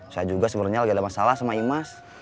saya juga sebenarnya lagi ada masalah sama imas